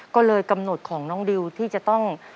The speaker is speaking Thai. ก็เลยกำหนดของน้องดิวที่จะต้อง